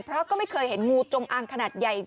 เพราะก็ไม่เคยเห็นงูจงอางขนาดใหญ่